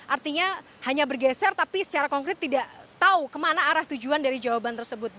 artinya hanya bergeser tapi secara konkret tidak tahu kemana arah tujuan dari jawaban tersebut